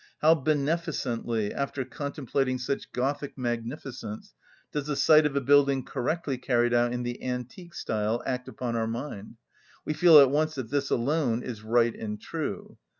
How beneficently, after contemplating such Gothic magnificence, does the sight of a building correctly carried out in the antique style act upon our mind! We feel at once that this alone is right and true.